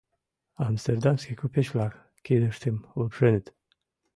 — амстердамский купеч-влак кидыштым лупшеныт.